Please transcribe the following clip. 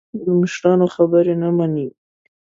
د مشرانو خبرې نه مني.